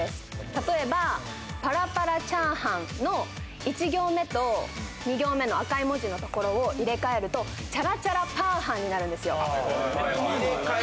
例えば、パラパラチャーハンの１行目と２行目の赤い文字のところを入れ替えるとチャラチャラパーハンになるんですよ。